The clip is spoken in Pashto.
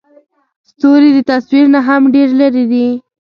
ستوري د تصور نه هم ډېر لرې دي.